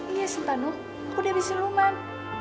iya senta nuh aku dewi siluman